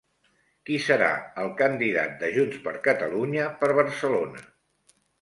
Qui serà el candidat de Junts per Catalunya per Barcelona?